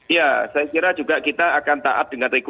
ya saya kira juga kita akan taat dengan regulasi